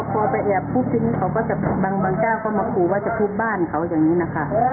พอไปแอบปุ๊บทีนี้เขาก็จะบางเจ้าก็มาขู่ว่าจะทุบบ้านเขาอย่างนี้นะคะ